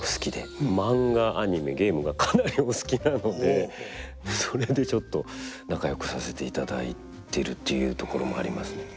マンガアニメゲームがかなりお好きなのでそれでちょっと仲よくさせていただいてるっていうところもありますね。